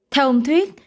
theo ông thuyết